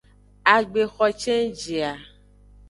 Agbexo cenji a.